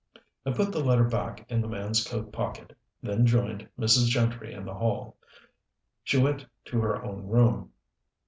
I put the letter back in the man's coat pocket; then joined Mrs. Gentry in the hall. She went to her own room.